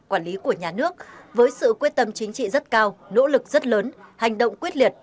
quản lý của nhà nước với sự quyết tâm chính trị rất cao nỗ lực rất lớn hành động quyết liệt